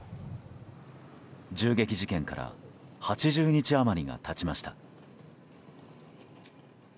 銃撃事件から８０日余りが経ちました。